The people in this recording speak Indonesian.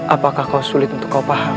apakah kau sulit untuk kau paham